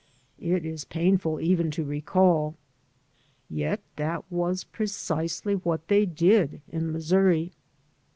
It is painful even to recall. Yet that was precisely what they did in Missouri.